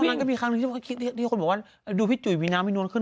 มันก็มีครั้งหนึ่งที่คนบอกว่าดูพี่จุ๋ยมีน้ำมีนวลขึ้น